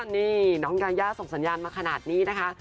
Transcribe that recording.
นี่น้องยายาส่งสัญญาณมาขนาดนี้นะคะ